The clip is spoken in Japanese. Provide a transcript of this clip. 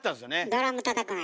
ドラムたたくのよ。